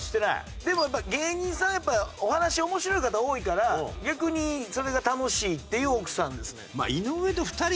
でもやっぱ芸人さんお話面白い方多いから逆にそれが楽しいっていう奥さんですね。